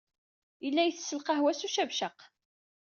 Yella itess lqahwa s ucabcaq.